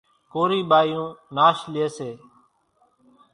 ڪورِي ٻايوُن ناش ليئيَ سي۔